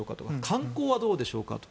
観光はどうでしょうか